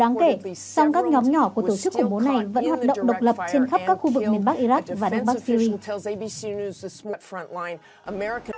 đáng kể trong các nhóm nhỏ của tổ chức khủng bố này vẫn hoạt động độc lập trên khắp các khu vực miền bắc iraq và nước bắc syria